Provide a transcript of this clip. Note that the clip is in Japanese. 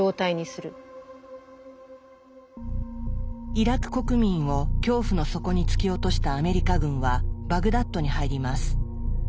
イラク国民を恐怖の底に突き落としたアメリカ軍はバグダッドに入ります。